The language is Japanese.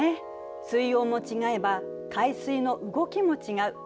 水温も違えば海水の動きも違う。